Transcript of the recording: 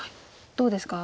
どうですか？